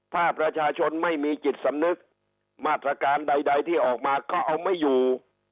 ถ้าประชาชนไม่มีจิตสำนึกมาตรการใดที่ออกมาก็เอาไม่อยู่